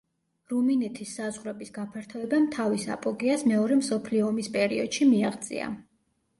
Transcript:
რუმინეთის საზღვრების გაფართოებამ თავის აპოგეას მეორე მსოფლიო ომის პერიოდში მიაღწია.